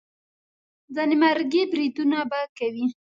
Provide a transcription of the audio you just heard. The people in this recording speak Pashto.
ځانمرګي بریدونه به کوي.